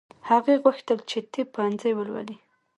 هغې غوښتل چې طب پوهنځی ولولي